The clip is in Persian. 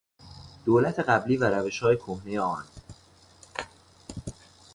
دولت قبلی و روشهای کهنهی آن